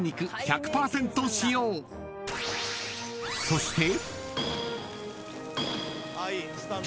［そして］